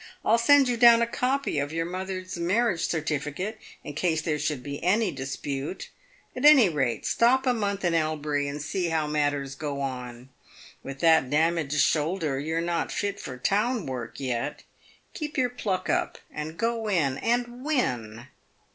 I'll send you down a copy of your mother's marriage certificate, in case there should be any dispute. At any rate, stop a month in Elbury, and see how matters go on. With that damaged shoulder, you're not fit for town work yet. Keep your pluck up, and go in and win."